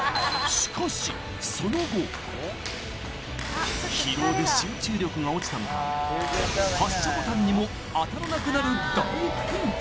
しかしその後疲労で集中力が落ちたのか発車ボタンにも当たらなくなる大ピンチ！